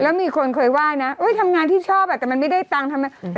แล้วมีคนเคยไหว้นะทำงานที่ชอบอ่ะแต่มันไม่ได้ตังค์ทำงาน